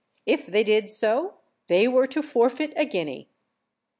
If they did so, they were to forfeit a guinea.